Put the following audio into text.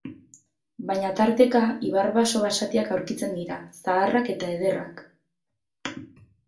Baina tarteka ibar-baso basatiak aurkitzen dira, zaharrak eta ederrak.